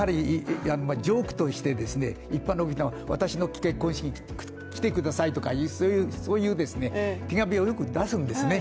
ジョークとして、一般の方が私の結婚式に来てくださいとか、そういう手紙をよく出すんですね。